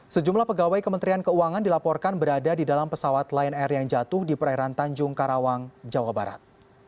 sejumlah pegawai kementerian keuangan dilaporkan berada di dalam pesawat lion air yang jatuh di perairan tanjung karawang jawa barat